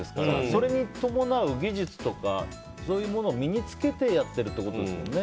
それに伴う技術とかそういうものを身に付けてやってるってことですもんね。